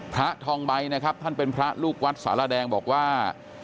พระทองใบนะครับท่านเป็นพระลูกวัดสารแดงบอกว่า